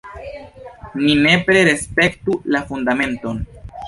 Ni nepre respektu la Fundamenton!